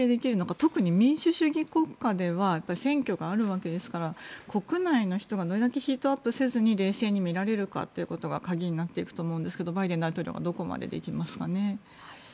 特に民主主義国家では選挙があるわけですから国内の人がどれだけヒートアップせずに冷静に見られるかというのが鍵になってくると思うんですがバイデン大統領はどこまでできますかね。